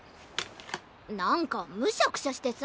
なんかむしゃくしゃしてさ。